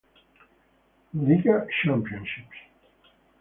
Liiga championship.